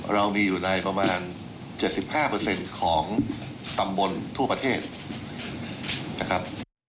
เรามีอยู่ในประมาณ๗๕ของตำบลทั่วประเทศนะครับ